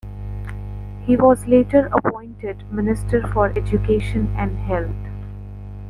He was later appointed Minister for Education and Health.